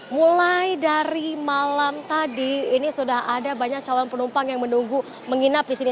mulai dari malam tadi ini sudah ada banyak calon penumpang yang menunggu menginap di sini